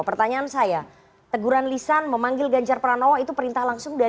pertanyaan saya teguran lisan memanggil ganjar pranowo itu perintah langsung